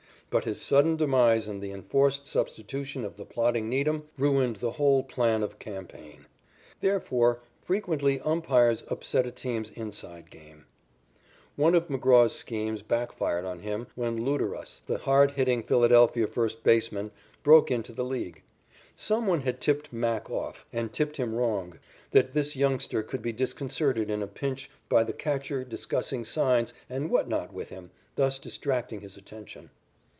But his sudden demise and the enforced substitution of the plodding Needham ruined the whole plan of campaign. Therefore, frequently umpires upset a team's "inside" game. One of McGraw's schemes back fired on him when Luderus, the hard hitting Philadelphia first baseman, broke into the League. Some one had tipped "Mac" off, and tipped him wrong, that this youngster could be disconcerted in a pinch by the catcher discussing signs and what not with him, thus distracting his attention.